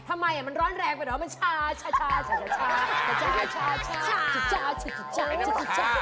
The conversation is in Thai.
ทำไมมันร้อนแรงไปเหรอมันชา